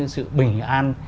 sự bình an